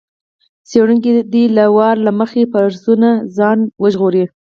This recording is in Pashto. څېړونکی دې له وار له مخکې فرضونو ځان وژغوري.